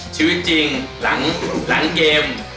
ชีวิตจริงหลังเกม